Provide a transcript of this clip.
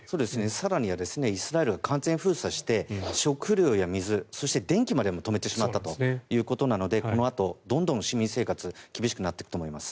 更にはイスラエルは完全封鎖して食料や水、そして電気までも止めてしまったということなのでこのあとどんどん市民生活は厳しくなっていくと思います。